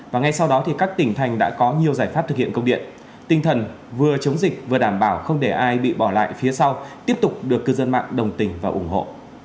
và ngay sau đó thì các tỉnh thành đã có nhiều giải pháp thực hiện công điện tinh thần vừa chống dịch vừa đảm bảo không để ai bị bỏ lại phía sau tiếp tục được cư dân mạng đồng tình và ủng hộ